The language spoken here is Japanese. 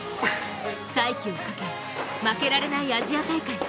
再起をかけ、負けられないアジア大会。